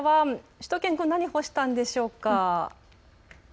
しゅと犬くん、何干したんでしょうか。